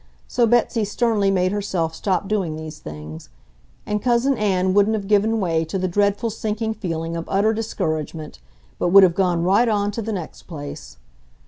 So Betsy sternly made herself stop doing these things. And Cousin Ann wouldn't have given way to the dreadful sinking feeling of utter discouragement, but would have gone right on to the next place.